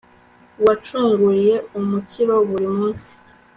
wacunguriye umukiro, buri munsi